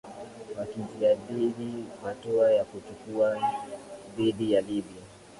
wakijadili hatua ya kuchukua dhidi ya libya